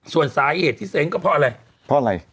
ส่วนสาเหตุที่เซ้งก็เพราะอะไรเพราะอะไร